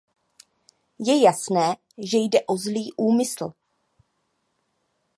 Je jasné, že jde o zlý úmysl.